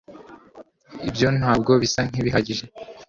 ibyo ntabwo bisa nkibihagije